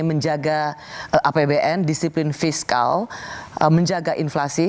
menjaga apbn disiplin fiskal menjaga inflasi